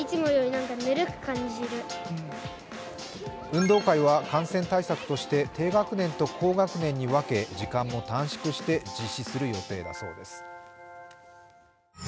運動会は感染対策として低学年と高学年に分け時間も短縮して実施する予定だそうです。